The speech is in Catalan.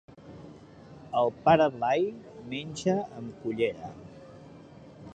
El pare Blai menja amb cullera.